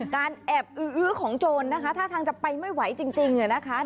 การแอบอื้อของโจรนร์ถ้าทางออกไปไม่ออกจริง